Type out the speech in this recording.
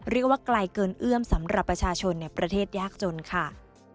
เรียกว่าไกลเกินเอื้อมสำหรับประชาชนในประเทศยากจนค่ะ